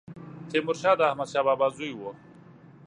تيمورشاه د احمدشاه بابا زوی و